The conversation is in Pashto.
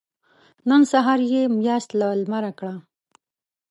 نن سهار يې مياشت له لمره کړه.